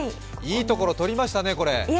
いいところ取りましたね、これ。